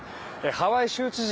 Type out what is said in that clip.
ハワイ州知事